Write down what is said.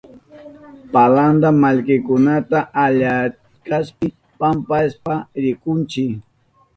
Palanta mallkikunata allarishkapi pampashpa rihunchi.